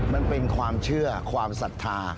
มันเป็นความเชื่อความศรัทธา